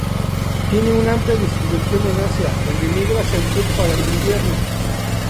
Tiene una amplia distribución en Asia, donde migra hacia el sur para el invierno.